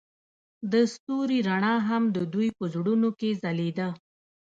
د ستوري رڼا هم د دوی په زړونو کې ځلېده.